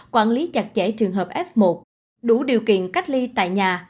quản lý chặt chẽ trường hợp f một đủ điều kiện cách ly tại nhà